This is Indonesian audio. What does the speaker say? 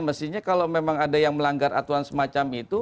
mestinya kalau memang ada yang melanggar aturan semacam itu